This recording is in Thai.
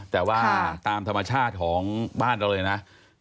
แต่ว่าตามธรรมชาติของบ้านเราเลยนะ